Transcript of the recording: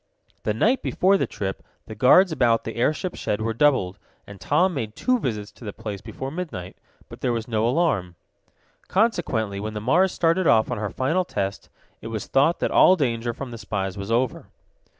The night before the trip the guards about the airship shed were doubled, and Tom made two visits to the place before midnight. But there was no alarm. Consequently, when the Mars started off on her final test, it was thought that all danger from the spies was over.